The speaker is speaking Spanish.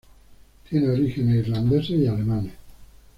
Tiene orígenes irlandeses y alemanes.